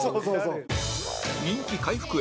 人気回復へ！